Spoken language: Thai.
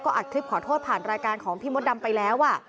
อัดคลิปขอโทษผ่านรายการของพี่มดดำไปแล้ว